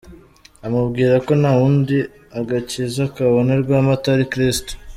Amubwira ko nta wundi agakiza kabonerwamo, atari Kristo